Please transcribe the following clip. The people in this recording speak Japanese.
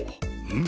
ん？